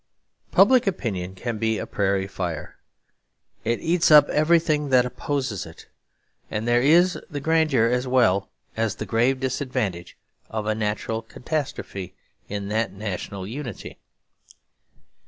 Public opinion can be a prairie fire. It eats up everything that opposes it; and there is the grandeur as well as the grave disadvantages of a natural catastrophe in that national unity.